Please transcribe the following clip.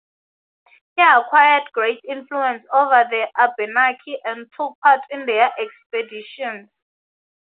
He acquired great influence over the Abenaki and took part in their expeditions.